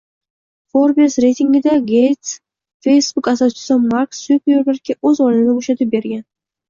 Forbes reytingida Geyts Facebook asoschisi Mark Sukerbergga o‘z o‘rnini bo‘shatib bergan